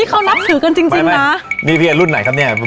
ที่เขานับถือกันจริงจริงนะไม่ไม่นี่พี่เอิญรุ่นไหนครับเนี้ย